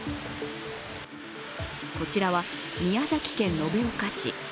こちらは宮崎県延岡市。